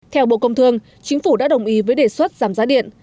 theo bộ công thương chính phủ đã đồng ý với đề xuất giảm giá điện